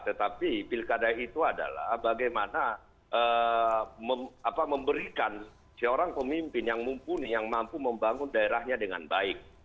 tetapi pilkada itu adalah bagaimana memberikan seorang pemimpin yang mumpuni yang mampu membangun daerahnya dengan baik